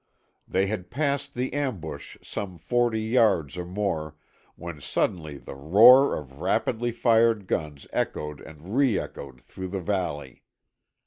They had passed the ambush some forty yards or more, when suddenly the roar of rapidly fired guns echoed and re echoed through the valley.